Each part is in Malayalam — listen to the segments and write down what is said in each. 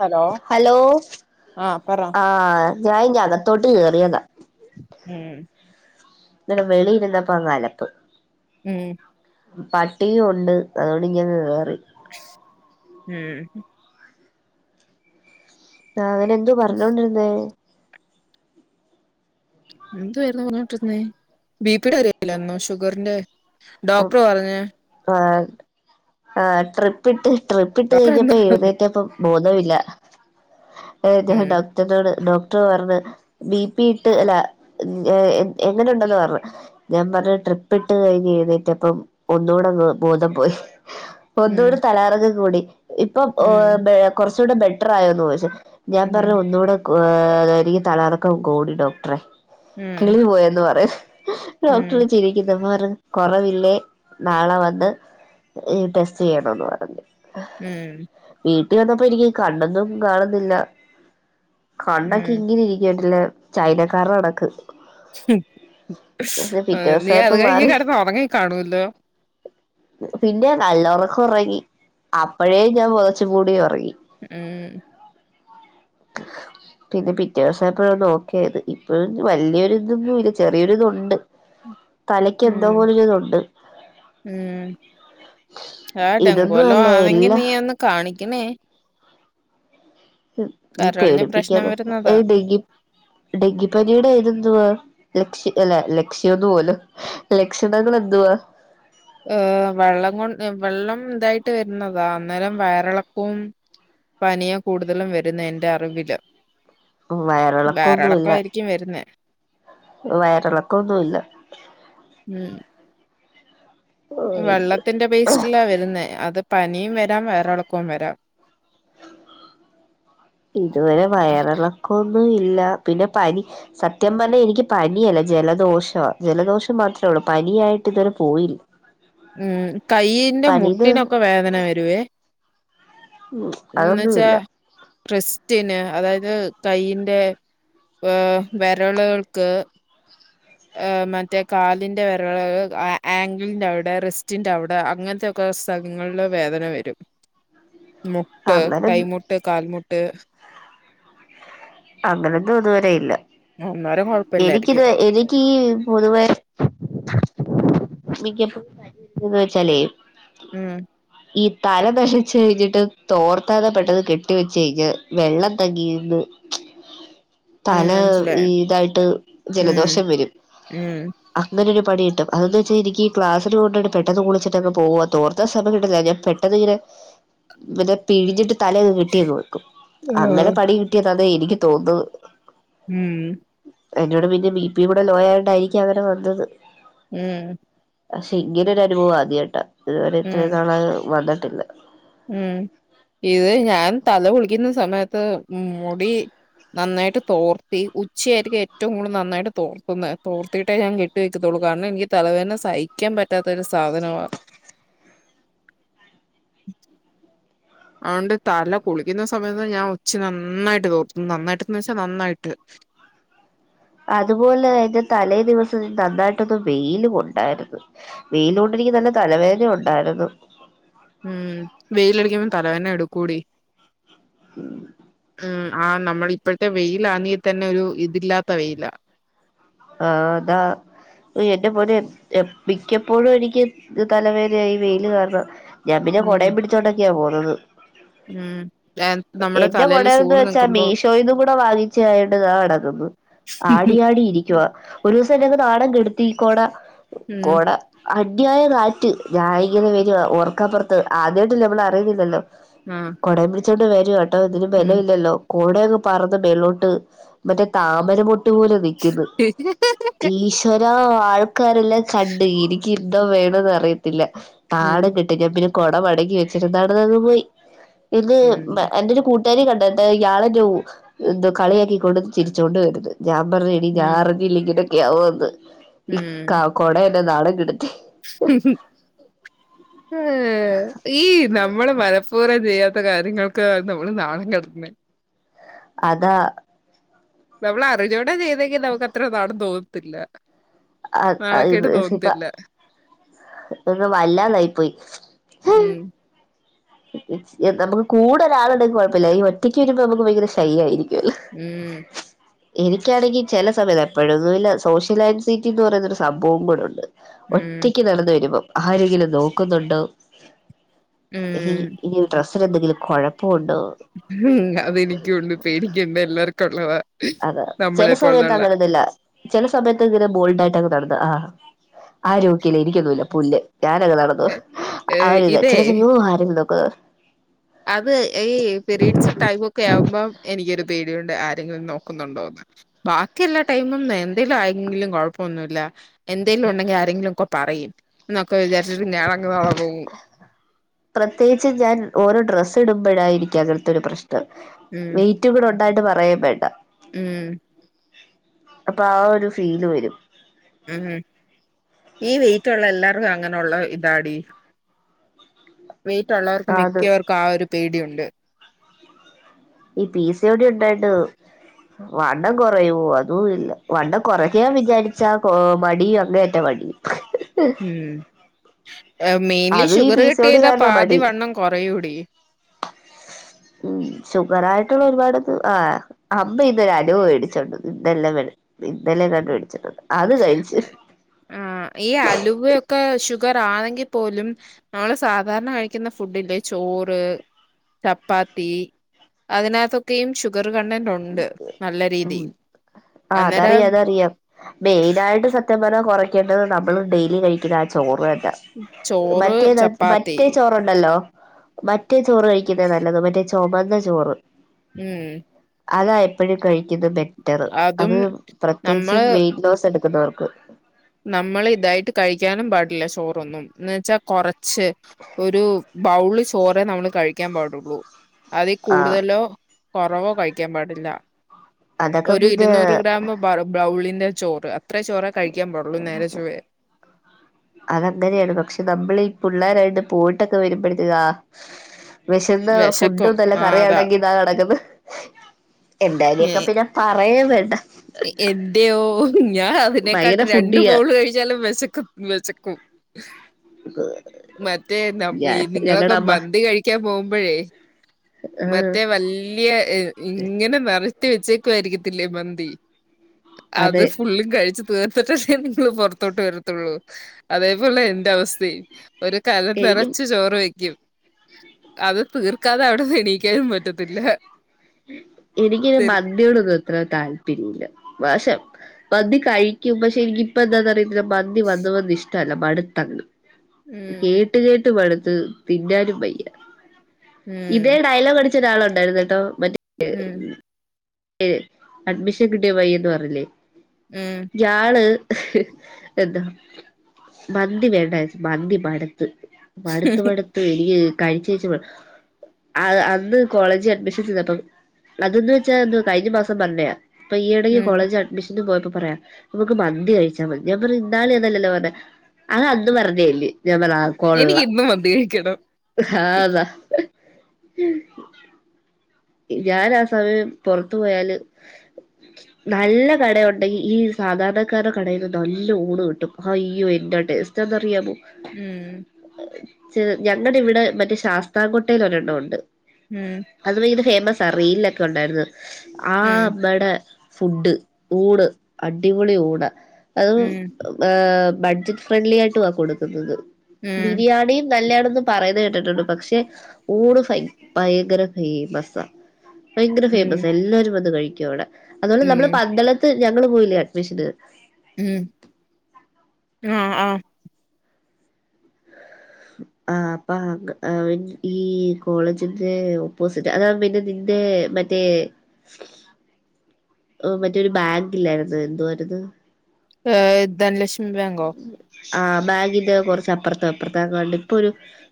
ഹലോ ഹലോ ആഹ് പറ ആഹ ഞാൻ ഇങ്ങകത്തോട്ട് കേറിയതാ. ഉം. ഇന്നോരെ വെളിയിരുന്നപ്പലപ്പ് ഉം പട്ടിയും ഉണ്ട് അതുകൊണ്ട് ഇങ്ങ കേറി. ഉം ആ അവനേന്ത് പറഞ്ഞോണ്ടിരുന്നേ? എന്തു വായിരുന്നു പറഞ്ഞോണ്ടിര്രനെ ബിപിയുടെ കാര്യല്ലോ ഷുഗറിന്റെ ഡോക്ടർ പറഞ്ഞേ ആ ആ ട്രിപ്പ ട്രിപ്പിട്ട് ട്രിപ്പിട്ട് ഡോക്ടർ എന്താ കഴിഞ്ഞപ്പോ പറഞ്ഞ് എഴുന്നേറ്റപ്പ ബോധമില്ലഏഞാണ്ട് ഉം ട് ഡോക്ടർ പറഞ്ഞ ബി പി ഇട്ട് അല്ല എങ്ങനെ ഉണ്ടെന്ന് പറഞ്ഞ ഞാൻ പറഞ്ഞ ട്രിപ്പ് ഇട്ട്ഴിഞ്ഴ് ന്നേ പ്പം ഒന്നൂടെ ന്ന് ബോധം പോയി ഉം ഒന്നൂട് തലാറക കൂടി. ഇപ്പം ഉം കുറച്ചുകൂടെ ബെറ്റർായോന്ന് ചോദിച്ചു ഞാൻ പറഞ്ഞു ഉം ഒന്നുകൂടെന്ന്. ആ യിനിക്ക് തലറക്കം കൂടി ഡോക്ടറെ ഉം കിളി പോയന്ന് പറയാ ഉം ഡോക്ടറെ ചിരിക്കന്ന കുറവ ല്ലേ നാളെ വന്ന് ടെസ്റ്റ് ചെയ്യണന്ന് പറഞ്ഞു. ഉം വീട്ടിൽ വന്നപ്പോ എനിക്ക് കണ്ണൊന്നും കാണുന്നില്ല കണ്ണൊക്കെ ഉം ഇങ്ങനെ ഇരിക്കട്ടല്ലെ ചൈനക്കരുടെ കടക്ക് പിറ്റേ നീ ദിവസായപ്പോ അത് കഴിഞ്ഞ് മാറി കടന്ന് ഉറങ്ങി കാണൂല്ലോ പിന്നെ കള്ളറക്കം ഒറങ്ങി അപ്പഴേ ഞാൻ പൊതച്ച് മൂടി ഒറങ്ങി ഉം പിന്നെ പിറ്റേസായപ്പഴാ നോക്കിയത് ഇപ്പൾ വല്യര്ത് പോഇല ചെറിയൊര് തുണ്ട് ഉം തലക്യ് എന്തൊപോലരുതുണ്ട് ഉം ആഹ് ഇതൊന്നും ഡെങ്കുവല്ലാം അല്ല ആന്നെങ്കി എല്ലാ നീയന്ന് കാണിക്കണേ ഉം നീ കരളിന് പ്രശ്നം പേടിപ്പിക്യാതെ വരുന്നതാ ഏഹ് ടെക്കി ഡെങ്കിപ്പനിയുടെ ഏതന്തുവാ ലക്ഷ്യ അല്ല ലക്ഷ്യ ഒന്ന് പോലും ലക്ഷണങ്ങൾ എന്തുവാ ആഹ് വള്ളം കൊണ്ട് വെള്ളം തായിട്ട് വര്ന്നതാ അന്നേരം വയറളക്കും പനിയാ കൂടുതലും വരുന്നേന്റെ അറിവില് വയറളക്കന്നുല്ല വയറിളക്കമായിരിക്കും വരുന്നെ വയറളക്കന്നുല്ല ഉം വെള്ളത്തിന്റെ ബേസ്റ്റ്ലാ വരുന്നേ അത് പനിയും വരാം വയറിളക്കും വരാം ഇതുവരെ വയറിളക്കൊന്നുല്ല പിന്നെ പനി സത്യം പറഞ്ഞെ എനിക്ക് പനിയല്ല ജലദോഷാ ജലദോഷം മാത്രേള്ളൂ പനിയായിട്ട് ഇതുവരെ പോയി ഉം കയ്യിന്റെ പനിത് മുട്ടിനൊക്കെ വേദന വരുവേ ഉം ന്നച്ചാ ക്രിസ്റ്റ്യന് അതായത് കയിന്റെ ഏഹ് വെരള്കൾക്ക് ഏഹ് മറ്റേ കാലിന്റെ വെരള്കൾ ആഹ് ആങ്ക്ൾന്റെവ്ടെ റെസ്റ്റിന്റെവ്ടെ അങ്ങൻത്തെ ക്ക സ്ഥങ്ങൾല് വേദന വരും മുട്ട് അങ്ങനെ കൈ മുട്ട് കാൽമുട്ട് അങ്ങനെന്നും ത്വരെല്ല അന്നേരം എനിക്കിത് കൊഴപ്പില്ലായിരിക്കും വെ എനക്കീ പൊതുവേ മിക്കപ്പോഴും മര്ന്ന് വെച്ചാലേ ഉം ഇ തല നശച്ച് കഴിഞ്ഞിട്ട് തോർത്താതെ പെട്ടത് കെട്ടി വെച്ച് കയ്ഞ്ഞ വെള്ളം തങ്ങിന്ന് ഉം തല മനസ്സിലായോ ഈതായിട്ട് ഉം ജലദോഷം വരും ഉം അങ്ങനൊരു പണി കിട്ടും അതന്ന് വെച്ചാ എനിക്ക് പ്ലാസിന് പോണ്ടയ്ന് പെട്ടെന്ന് കുളിച്ചിട്ടങ് പോവാ തോർത്താ സമയ കിട്ടില്ല ഞാപെ പെട്ടന്ന് ഇങ്ങിനെ പിന്നെ പിഴഞ്ഞിട്ട് തല കിട്ടിയങ്ങ് വെക്കും ആഹ് അങ്ങനെ പണി കിട്ടിയതാന്നെ എനിക്ക് തോന്ന് ന്നത് ഉം എന്നോട് പിന്നെ ബി പി കൂടെ ലോയായോണ്ടായിരിക്കാം വരെ വന്നത് ഉം പക്ഷെ എങ്ങനെ ഒരു അനുഭവം അത്യായിട്ട ഇത്വരെ ഉം എത്രെന്നാളായ് വന്നിട്ടില്ല ഉം ഇത് ഞാൻ തല കുളിക്യൂന്ന സമയത്ത് ഉം മുടി നന്നായിട്ട് തോർത്തി ഉച്ചയാത്ത്ക്ക് ഏറ്റവും കൂടു നന്നായിട്ട് തോർത്തുന്ന അ് തോർത്തിട്ടേ ഞാൻ കേ ട്ടി വെക്കത്തുള്ളൂ കാര്ണൻക്ക് തലവേദന സഹിക്യാൻ പറ്റാത്തൊരു സാധനമാ അഒണ്ട് തല കുളിക്യുന്ന സമയത്ത് ഞാഉച്ചി നന്നായിട്ട് തോർത്തു നന്നായിട്ട്ന്ന് വെച്ചാ നന്നായിട്ട് അത്പോലെക്കെ തലേദിവസം നന്നായിട്ടൊന്ന് വെയിലു കൊണ്ടായിര്ന്നു വെയിലോണ്ടെനിക് നല്ല തലവേദന ഉണ്ടായിര്ന്നു ഉം വെയിലടിക്യുമം തലവേന എടുക്കോടി ഉം ഉം ആഹ് നമ്മള ഇപ്പഴ്ത്തെ വെയിലാന്നീ തന്നെ ഒരു ഇതില്ലാത്ത വെയിലാ ആഹ് താ ഒ എന്റെ പൊന്നേ എം മിക്യപ്പോഴു നിക്ക് തലവേന്യായി വെയില് കാര്ണം ഞാപിന്നെ ഉം കൊടേം പിടിച്ചോണ്ടൊക്കെയാ പോന്നത് ഉം ഏ, നമ്മുടെ എന്റെ തലയില് കൊടെന്ന് ചൂട് വെച്ചാ നിക്കുമ്പോ മീഷോയിന്ന് കൂടെ വാങ്ങി ച്ചയായോടിതാ കെടക്കുന്നു ആടിയാടിയിരി ക്യൊ ഒരൂസം എന്നെഅങ്ങ് നാണംകെട്ത്തി ഈ കോട ഉം കോട അന്യായാ കാറ്റ് ഞാൻ ഇങ്ങനെ വരുവാ ഓർക്കാപൊർത്ത് ആദ്യയ്ട്ടല്ലേ നമ്മളറിയുന്നില്ലല്ലോ. മ്. കൊടേം പിടിച്ചോണ്ട് വരുവാട്ടോ ഇതിന് ബലോല്ലല്ലോ. കൊടയങ്ങ് പറന്ന് മേലോട്ട് മറ്റേ താമരമൊട്ട് പോലെ നിക്ക്ന്ന്. [unintelligible] ഈശ്വരാ ആൾക്കാരെല്ലാം കണ്ട് ഇനിക്ക് എന്തോ വേണന്ന് അറിയത്തില്ല. നാണം കെട്ട് ഞാൻ പിന്നെ കൊട മടക്കി വെച്ചിട്ട് നടന്നങ് പോയി പിന്നേ ഉം. എന്റൊരു കൂ [unintelligible] കളിയാക്കിക്കൊണ്ടും ചിരിച്ചോണ്ടും വര്ന്ന് ഞാൻ പർഞ്ഞ് എനി ഞാ ഉം. അറിഞ്ഞില്ലി ഇങ്ങനെയൊക്കെ ആവോന്ന് ഈ കാ കൊട എന്നെ നാണം കെട്ത്തി. മ് മ് ഈ നമ്മള് മനപ്പൂർവം ചെയ്യാ- ത്ത കാര്യങ്ങൾക്ക് നമ്മള് നാണം കെട്ന്നെ അതാ. ന്നമ്മളഅറിഞ്ഞോണ്ടാ ചെയ്യ്ന്നെങ്കി നമുക്ക് അത്ര നാണം തോന്നത്തില്ല. നാണക്കേട് തോന്നത്തില്ല. [unintelligible] വല്ലാതാ യിപ്പോയി ഹ്. ഉം. നമുക്ക് കൂടെ ഒരാള്ണ്ടെങ്കി കുഴപ്പല്ല്യ ഈ ഒറ്റയ്ക്ക് വരുമ്പോ നമുക്ക് ഭയങ്കര ശൈയ്യായിരിക്കൊല്ലോ. മ്. [inaudible] എനിക്കാണെങ്കി ചെല സമയത്ത് എപ്പോഴൊന്നുല്ല സോഷ്യലാൻസൈറ്റി എന്ന് പറയുന്നൊരു സംഭവം കൂടെ ഉണ്ട്. ഉം. ഒറ്റക്ക് നടന്ന് വരുമ്പോം ആരെങ്കിലും നോക്കുന്നുണ്ടോ ഇ ഉം. ഈ ഡ്രസ്സിനെന്തെങ്കിലും കൊഴപ്പ ഉണ്ടോ. മ് അതെനിക്ക്യുണ്ട് പേടിക്കണ്ട എല്ലാർക്കും ഉള്ളതാ. അത ചെല നമ്മളെ സമയത്ത് പോലുള്ള അങ്ങനൊന്നുല്ല ചെല സമയത്ത് ഇങ്ങനെ ബോൾഡായിട്ട് അങ്ങ് നടന്ന് ആ ഹ ഹാ. ആരോക്കില്ലേ എനിക്കൊന്നുല്ല പുല്ല് ഞാനങ്ങനെ എ നടന്നോവും ആ ഏഹ് ഒരിതാ ചെല ഇതേ സമയ യ്യോ ആരെങ്കിലും നോക്കോ അത് ഈ പിരീഡ്സ് ടൈമ് ഒക്കെയാവുംമ്പോം എനിക്ക്യെരു പേടിയൊണ്ട് ആരെങ്കിലും നോക്കുന്നുണ്ടോന്ന്. ബാക്കി എല്ലാ ടൈമും എന്തേലും ആയെങ്കിലും കൊഴപ്പൊന്നുല്ല. എന്തെലും ഉണ്ടെങ്കി ആരെങ്കിലൊ ക്കെ പറയും ന്നൊക്കെ വിചാര്ച്ചിട്ട് ഞാനങ് നടന്ന് പോവും. പ്രത്യേകിച്ച് ഞാൻ ഓരോ ഡ്രസ്സ് ഇടുമ്പോഴായിരിക്കും അങ്ങൻത്തെ ഒരു പ്രശ്‌നം ഉം വെയ് റ്റൂകൂടെണ്ടായിട്ട് പറയേം വേണ്ട. മ്. അപ്പൊ ആ ഒരു ഫീല് വരും. മ് ഈ വെയ്റ്റുള്ള എല്ലാർക്കും അങ്ങനെ ഉള്ള ഇതാടീ. വെയ്‌റ്റുള്ളവർക്കും ആ അത് മിക്യവർക്കും ആ ഒരു പേടിയുണ്ട്. ഈ പീ സി യോടി ഉണ്ടായിണ്ട് വണ്ണം കുറയോ അതും ഇല്ല വണ്ണം കുറക്യാൻ വിചാരിച്ചാ കൊ മടിയും അങ്ങേയറ്റം മടി [unintelligible] മ് മെയിൻലി അതും ഈ sugar P C O D കട്ടെയ്താ പാതി വണ്ണം കുറയൂടി. മ് ഷുഗറായിട്ട്ള്ള ഒരുപാടൊന്ന് ആ. അമ്മ ഇന്നൊര് അലുവ വേടിച്ചോണ്ടന്ന് ഇന്നെല്ല ഇന്നെലെങ്ങാണ്ട് വേടിച്ചൊണ്ടാന്ന്. അത് കഴിച്ച്. ക്കെ ഷുഗറാണെങ്കിൽ പോലും നമ്മള് സാധാരണ കഴികിന്ന ഫുഡി ല്ലേ ചോറ് ചപ്പാത്തി അതിനകത്തൊക്കെയും ഷുഗർ കണ്ടന്റ് ഉ ണ്ട് നല്ല ഉം രീതി അന്നേരം മെയ്നായിട്ട് സത്യംപറഞ്ഞ കൊറയ്ക്കേണ്ടത് നമ്മള് ഡെയ്ലി കഴിക്കിന്ന ആ ചോറ് തന്നാ. ചോറ് മറ്റേ ത് ചപ്പാത്തി മറ്റേ ചോറ ണ്ടല്ലോ മറ്റേ ചോറ് കഴികിന്നാ നല്ലത് മറ്റേ ചുമന്ന ചോറ്. ഉം. അതായെപ്പഴും കഴിക്കിന്നത് ബെറ്ററ് അതും അത് പ്രത്യേകിച്ചും നമ്മള് വെയിറ്റ് ലോസ് എട്ക്ക്ന്നവർക്ക്. നമ്മള് ഇതായിട്ട് കഴിക്കാനും പാടില്ല ചോറൊന്നും എന്ന് വെച്ചാ കൊറച്ച്. ഒരു ബൗള് ചോറെ നമ്മള് കഴിക്കാൻ പാടുള്ളൂ. അതി ആഹ് കൂടുതലോ കൊറവോ കഴിക്കാൻ പാടില്ല. അതൊക്കെ ഒരു പിന്നെ ഇരുന്നൂറ് ഗ്രാം ബ്രൗ ബ്രൗളിന്റെ ചോറ് അത്രേ ചോറേ കഴിക്കാൻ പാടുള്ളു നേരെ ചൊവെ. [unintelligible] അതങ്ങനെയാണ് പക്ഷെ നമ്മള് പിള്ളോരായിണ്ട് പോയിട്ടൊക്കെ വരുമ്പോഴത്തേക്കാ അ - വെശന്ന് വിശക്കും ഫുഡും നല്ല ആ അതാ കറിയാണെങ്കിൽ. താ കെടക്ക്ന്ന് എന്തായാലൊക്കെ എ- പിന്നെ പറയെം വേണ്ട. എന്റെയോ ഞാൻ ഭയങ്കര അതിനേക്കാട്ട്ൽ രണ്ട് ഫുഡിയാ ബൗള് കഴിച്ചാലും വെശക്കു വെശക്കും. [unintelligible] വെ മറ്റേ ന ഈ നിങ്ങളൊക്കെ അമ്മ മന്തി കഴിക്കാൻ പോകുമ്പഴേ ആഹ് മറ്റേ വല്ല്യ ഇങ്ങനെ നെരത്തി വെച്ചേക്കുയിരിക്കത്തില്ലേ മന്തി. അത് അതെ ഫുള്ളും കഴിച്ച് തീർത്തിട്ടേ നിങ്ങള് പുറത്തോട്ട് വരത്തുള്ളൂ അതേപോലെ എന്റെ അവസ്ഥയും. ഒരു കല എനിക്കും നിറച്ച് ചോറ് വെക്കും അത് തീർക്കാതെ അവിടെന്ന് നീക്കാനും പറ്റത്തില്ല. എനിക്കിമ തരും മന്ദ്യോടൊന്നും ഇത്ര താല്പര്യംല്ല പക്ഷെ മന്ദി കഴിക്കും പക്ഷെ എനിക്ക് ഇപ്പ എന്താന്നറിയോ മന്തി വന്ന് വന്ന് ഇഷ്ടല്ല മടുത്തങ്ങ് കേ ഉം കേട്ട് കേട്ട് മടുത്ത് തിന്നാനും വയ്യ ഇതേ ഉം ഡയലോഗ് അ മറ്റൊരാളുണ്ടായിരുന്നട്ടോ മറ്റേ ഉം അഡ്മിഷൻ കിട്ടിയ പയൻ ന്ന് പറഞ്ഞില്ലേ? ഉം യാള് എന്താ. മന്തി വേണ്ടാന്നിച്ച് മന്തി മടുത്ത് മടുത്ത് മടുത്ത്. ത്ത് എനിക്ക് കഴിച്ചഴ്ച്ച് ആ അന്ന് കോളേജ് അഡ്മിഷൻ ചെന്നപ്പം അതൊന്ന് ന്നു കഴിഞ്ഞ മാസം പറഞ്ഞയാ അപ്പൊ ഈടയ്ക്ക് ഉം കോളേജ് വിഷന്ന് പോയപ്പോ പറയാം നമുക്ക് മന്തി കഴിച്ചാൽ മതി ഞാൻ പർഞ്ഞ് ഇന്നാളതല്ലല്ലോ പറഞ്ഞെ. ആഹ് അന്ന്‌ പറഞ്ഞേല്ലേ ഞാൻപർഞ്ഞ് ആ എനിക്ക് ഇന്ന് മന്തികയ്ക്കണം. ഹാ താ. ഞാൻ ആ സമയം പുറത്തു പോയാല്. നല്ല കടയുണ്ടെങ്കിൽ ഈ സാധാരണക്കാരെ കടയിൽ നല്ല ഊണ് കിട്ടും അയ്യോ എൻഡാ ടേസ്റ്റ്. റ്റാ ന്നറിയാമോ? ഉം ചേ ഞങ്ങുടെ ഇവിടെ മറ്റേ ശാസ്താകോട്ടൽ ഒരെണ്ണം ഉണ്ട്. ഉം അത് ഭയര ഫേമസ് ആ റീയിലൊക്കെ ഉണ്ടായിരുന്നു ആ ഉം മ്മടെ ഫുഡ്. ഊണ് അടിപൊളി ഊണ അഹ് ഉം ആഹ് ബഡ്ജറ്റ് ഫ്രണ്ട്ലി ആയിട്ടു ആ കൊടുക്കുന്നത് ഉം ബിരിയാണീം, നല്ലയാണെന്ന് പറയുന്നത് കേട്ടിട്ടുണ്ട് പക്ഷെ ഊണ് ഭയങ്കര ഫേമസ. ഭയങ്കര ഫേമസ ഉം എല്ലാരും വന്ന് കഴിക്കും അവിടെ അത്പോലെ ഉം നമ്മളെ ഉം പന്തള ത്ത് ഞങ്ങള് പോയില്ലേ അഡ്മിഷന്. ഉം ആഹ് ആഹ്. ആഹ് അപ്പ ഈ കോളേജിന്റെ ഓപ്പോസിറ്റ് അത പിന്നെ നിന്റെ മറ്റ റ്റേ മറ്റൊരു ബാഗില്ലായിരുന്നു എന്തൊരുത് ഏ് ധനലക്ഷം ബേങ്കോ ആഹ ബാഗിന്റെ കുറച്ച് അപ്പുറത്തെ അപ്പറത്തക്കണ്ട് ഇപ്പൊരു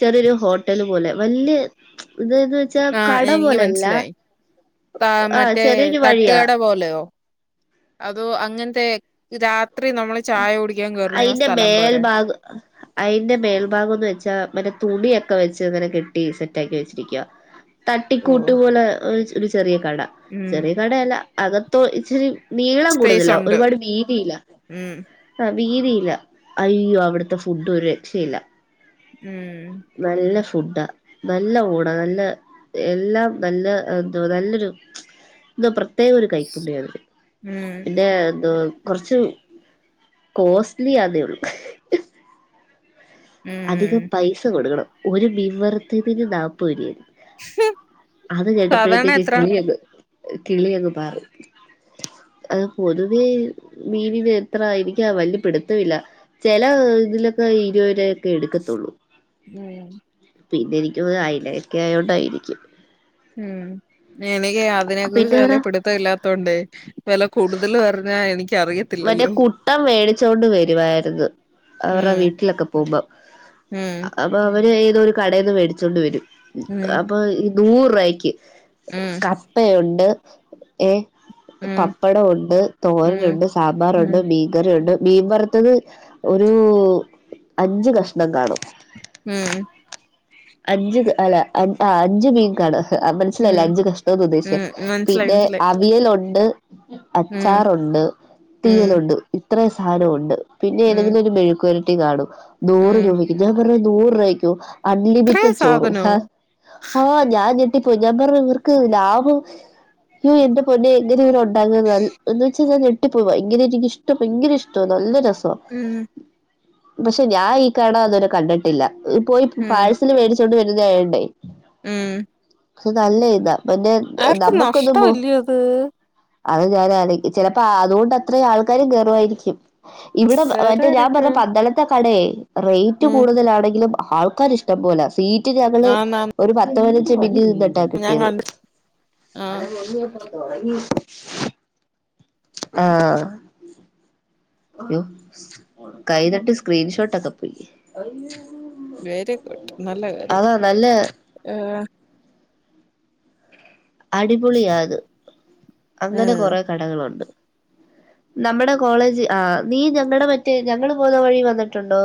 ചെറിയരു ഹോട്ടല് പോലെ വല്യ ഇതായത് ആഹ് എനിഞ് മനസ്സിലായി. ത ആഹ് മറ്റേ ചെറിയൊരു വഴിയാ തട്ടുകട പോലെയോ അതോ അങ്ങൻത്തെ രാത്രി നമ്മള് ചായ കുടിക്കാൻ കേറുന്ന സ്ഥലം പോരെ അത് അയിന്റെ മേൾഭാഗംന്ന് വെച്ചാ മറ്റെ തുണിയൊക്കെ വെച്ച് ഇങ്ങനെ കെട്ടി സെറ്റാക്കി വെച്ചിരിക്കുവ ഓഹ് തട്ടിക്കൂട്ട് പോലെ ഒ ഒരു ചെറിയ കട, ഉം ചെറിയ കടയല്ല അകത്തോ ഇച്ചരി... നീളം സ്പേസ് കൂടുതല ഉണ്ട്. ഒരുപാട് വീതിയില ഉം ആഹ് വീതിയില്ല, അയ്യോ അവിടുത്തെ ഫുഡ്ഡരു രക്ഷയില്ല ഉം നല്ല ഫുഡ്ഡ. നല്ല ഊണ നല്ല.. എല്ലാം നല്ല ന്തോ ന്നല്ലൊരു ന്തോ പ്രത്യേക ഒരു കൈപ്പുണ്യ അതിന് ഉം പിന്നെ എന്തോ കൊർച്ച് കോസ്റ്റ്ലി ആന്നേ ഉള്ളൂ അധികം ഉം പൈസ കൊടുക്കണം. ഒരുമീൻ വർത്തതിന് നാൽപ്പരുവായിരു അത് സാധാരണ കേട്ടപ്പോഴത്തേക്ക് എത്ര? കിളിയങ് കിളിയങ്ങ് പാറി അത് പൊതുവേ മീനിന് എത്രാ എനക്കാ വല്യ പിടുത്തവില്ല ചെല ഇതിലൊക്കെ ഇരുപരുവായ്.. കെടുക്കത്തുള്ളൂ. ഉം പിന്നെ എനിക്കു തോന്നുന് അയ്ലയക്കെ ആയോണ്ടായിരിക്കും ഉം എനിക്ക് അതിനെ കുറിച്ച് പിന്നെ അവിടെ വല്യപിടു... ത്തല്ലാത്തോണ്ടേ വെല കൂടുതല് പർഞ്ഞാ എനിക്കറിയ... മറ്റേ കുട്ടം വേടിച്ചോണ്ട് വരുവായിരുന്നു. അവരുടെ ഉം വീട്ടിലൊക്കെ പോകുമ്പം ഉം അപ്പൊ അവര് ഏതൊ ഒരു കടേന്ന് മേടിച്ചോണ്ട് വരും. ഉം അപ്പൊ നൂറ്രൂവായ് ക്ക് ഉം അപ്പയുണ്ട് ഏ ഉം പപ്പടവുണ്ട് ഉം തോരനുണ്ട് സമ്പാറുണ്ട് ഉം മി മീൻകറിയുണ്ട് മീൻ വറുത്തത് ഒരു.. അഞ്ച് കഷ്ണം കാണും ഉം അഞ്ച് ക അല്ല ആഹ് അഞ്ച് മീൻക്കാണ് മനസ്സിലായില്ലേ ഉം അഞ്ച് കഷ്ണമെന്നുദ്ദേശിച്ചേ ഉം മനസ്സിലായി പിന്നെ മനസ്സിലായി. അവിയലുണ്ട്. അച്ചാറുണ്ട്, തീയലുണ്ട്, ഇത്രയും സാധനവുണ്ട്. പിന്നെ ഏതെങ്കിലും ഒരു മെഴുക്കുപുര.. ട്ടി കാണും, നൂറ് രൂപക്ക് ഞാൻ പറഞ് നൂരുപാക്കൊ അൺലി ഇത്രയും റ്റെഡ് ചോറും. സാധനോ? ആഹ് ഞാൻ ഞെട്ടിപ്പോയി ഞാൻ പർഞ്ഞു, ഇവർക്ക് ലാഭം യ്യോ എന്റെ പൊന്നേ എങ്ങനെങ്ങനെണ്ടാക്കുന്നത്. എന്ന് വെച്ചാ ഞാൻ ഞെട്ടി പോവാ ഇങ്ങനെനിക്കിഷ് ട്ട. ഭയങ്കര ഇഷ്ടവാ നല്ല രസവാ ഉം പക്ഷെ ഞാൻ ഈ കട അതരെ കണ്ടിട്ടില്ല പോയി മ്മ്, പാഴ്സ് ല് വേടിച്ചോണ്ട് വരുന്നേ ആയോണ്ടേ ഉം അത് നല്ല ഇതാ, പിന്നെ നമ്മുക്കൊന്നും പോ നഷ്ടമല്ലേ അത്? അത് ഞാനാലോയ്ക്കും, ചെലപ്പോ അതുകൊണ്ട് അത്രയും ആൾക്കാരും കേറുംവായിരിക്കും ഇവിടെ വേറെ മറ്റേ ഞാൻ ആരൊക്കെ? പറഞ്ഞ പന്തളത്തെ കടേയ് റൈറ്റ് മ്മ്. കൂടുതലാണെങ്കിലും ആൾക്കാരിഷ്ട ട്ടം പോലാ സീറ്റ് ഞങ്ങള് ആന്നാന്ന് ഒരു പത്ത് പൈനഞ്ച് മിൻറ്റ് നിന്ന് ട്ടാ ഞാൻ കിട്ടിയത് കണ്ട്. ആ ആഹ് അയ്യോ കൈ തട്ടി സ്ക്രീൻഷോട്ടൊക്കെ പോയി വെരി ഗുഡ് നല്ല കാര്യം അതാ നല്ല ഏഹ് അടിപൊളിയാത്. അങ്ങനെ മ്മ്. കൊറേ കടകളൊണ്ട് നമ്മടെ കോളേജ് ആഹ് നീ ഞങ്ങടെ മറ്റേ ഞങ്ങള് പോവുന്ന വഴി വന്നിട്ടുണ്ടോ